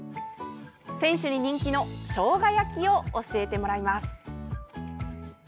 選手に人気のしょうが焼きを教えてもらいます。